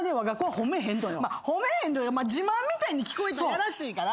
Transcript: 褒めへんというか自慢みたいに聞こえたらやらしいから。